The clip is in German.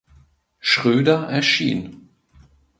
Schröder erschien.